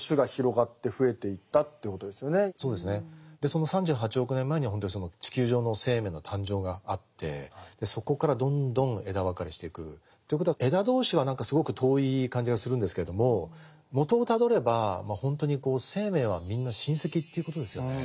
その３８億年前には本当に地球上の生命の誕生があってそこからどんどん枝分かれしていくということは枝同士は何かすごく遠い感じがするんですけれどももとをたどれば本当に生命はみんな親戚ということですよね。